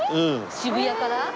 渋谷から？